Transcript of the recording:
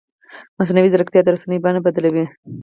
مصنوعي ځیرکتیا د رسنیو بڼه بدلوي.